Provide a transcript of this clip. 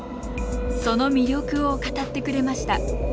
その魅力を語ってくれました